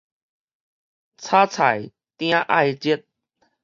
炒菜鼎愛熱